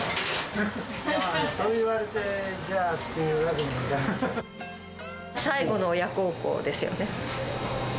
そう言われて、じゃあってわ最後の親孝行ですよね。